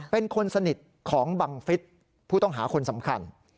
เป็นคนสนิทของบังฟิศผู้ต้องหาคนสำคัญ